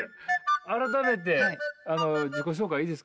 改めて自己紹介いいですか？